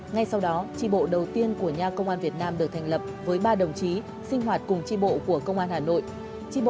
ngay sau đó tri bộ đầu tiên của nhà công an việt nam được thành lập với ba đồng chí sinh hoạt cùng tri bộ của công an hà nội